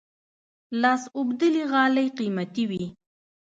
لاس اوبدلي غالۍ قیمتي وي.